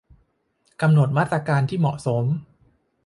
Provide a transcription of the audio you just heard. กำหนดมาตรการที่เหมาะสม